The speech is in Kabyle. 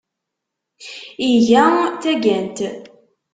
Iga tagant.